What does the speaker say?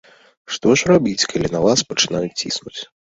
Што ж рабіць, калі на вас пачынаюць ціснуць?